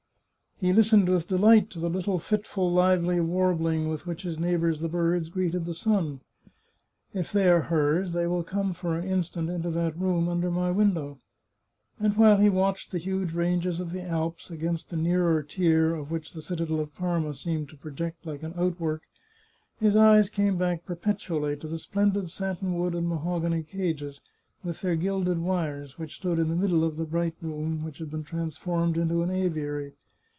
He listened with delight to the little fitful, lively warbling with which his neighbours the birds greeted the sun. " If they are hers, she will come for an instant into that room under my win dow." And while he watched the huge ranges of the Alps, against the nearer tier of which the citadel of Parma seemed to project like an outwork, his eyes came back perpetually to the splendid satin wood and mahogany cages, with their 329 The Chartreuse of Parma gilded wires, which stood in the middle of the bright room which had been transformed into an aviary.